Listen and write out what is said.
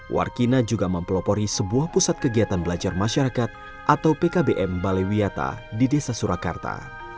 warkina juga mempelopori sebuah pusat kegiatan belajar masyarakat atau pkbm balaiwiata di desa surakarta